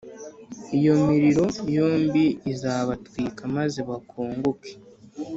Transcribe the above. iyo miriro yombi izabatwika maze bakongoke,